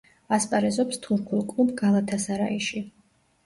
ასპარეზობს თურქულ კლუბ „გალათასარაიში“.